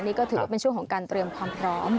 นี่ก็ถือว่าเป็นช่วงของการเตรียมความพร้อม